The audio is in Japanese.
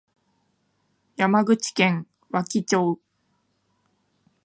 山口県和木町